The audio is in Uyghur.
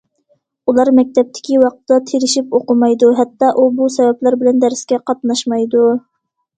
ئۇلار مەكتەپتىكى ۋاقتىدا تىرىشىپ ئوقۇمايدۇ، ھەتتا ئۇ- بۇ سەۋەبلەر بىلەن دەرسكە قاتناشمايدۇ.